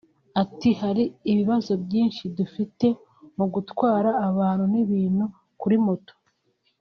Ati “hari ibibazo byinshi dufite mu gutwara abantu n’ibintu kuri moto